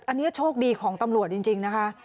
อันนี้โชคดีของตำรวจจริงนะคะ